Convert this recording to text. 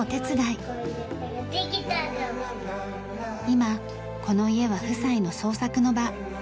今この家は夫妻の創作の場。